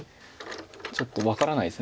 ちょっと分からないです